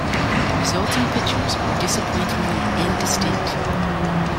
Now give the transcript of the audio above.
The resulting pictures were disappointingly indistinct.